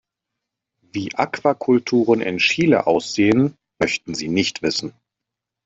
Wie Aquakulturen in Chile aussehen, möchten Sie nicht wissen.